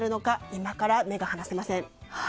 今から目が離せません。